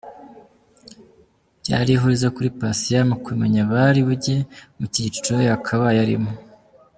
Byari ihurizo kuri Patient mu kumenya abari bujye mu cyiciro yakabaye arimo.